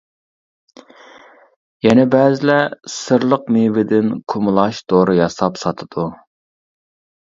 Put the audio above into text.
يەنە بەزىلەر سىرلىق مېۋىدىن كۇمىلاچ دورا ياساپ ساتىدۇ.